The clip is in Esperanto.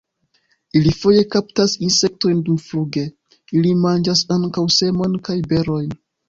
Ili foje kaptas insektojn dumfluge; ili manĝas ankaŭ semojn kaj berojn.